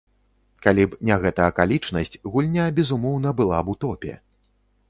Калі б не гэта акалічнасць, гульня, безумоўна, была б у топе.